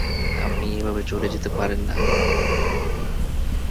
আপনি এভাবে চলে যেতে পারেন না!